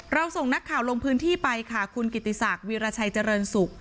ส่งนักข่าวลงพื้นที่ไปค่ะคุณกิติศักดิราชัยเจริญสุข